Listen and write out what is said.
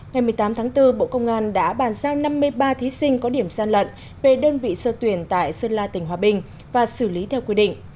ngày một mươi tám tháng bốn bộ công an đã bàn giao năm mươi ba thí sinh có điểm gian lận về đơn vị sơ tuyển tại sơn la tỉnh hòa bình và xử lý theo quy định